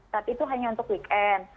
saat itu hanya untuk weekend